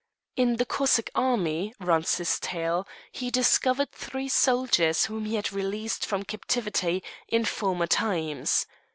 In the Cossack army, runs his tale, he discovered three soldiers whom he had released from captivity in former times.